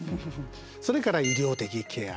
それから医療的ケア。